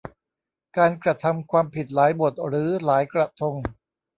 การกระทำความผิดหลายบทหรือหลายกระทง